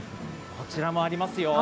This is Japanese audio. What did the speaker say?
こちらもありますよ。